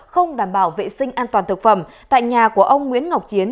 không đảm bảo vệ sinh an toàn thực phẩm tại nhà của ông nguyễn ngọc chiến